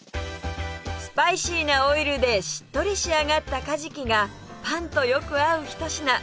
スパイシーなオイルでしっとり仕上がったカジキがパンとよく合うひと品